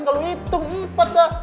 kalo hitung empat dah